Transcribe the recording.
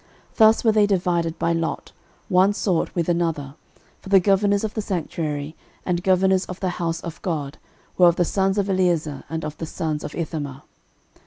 13:024:005 Thus were they divided by lot, one sort with another; for the governors of the sanctuary, and governors of the house of God, were of the sons of Eleazar, and of the sons of Ithamar.